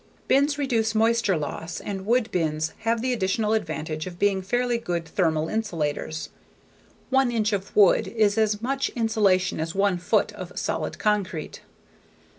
Bins reduce moisture loss and wood bins have the additional advantage of being fairly good thermal insulators: one inch of wood is as much insulation as one foot of solid concrete.